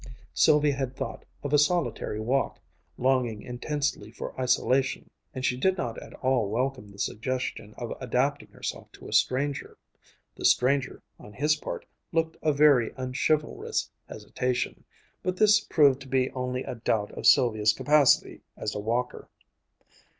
Sylvia had thought of a solitary walk, longing intensely for isolation, and she did not at all welcome the suggestion of adapting herself to a stranger. The stranger, on his part, looked a very unchivalrous hesitation; but this proved to be only a doubt of Sylvia's capacity as a walker.